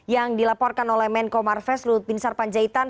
yang dilaporkan oleh menko marves lutbinsar panjaitan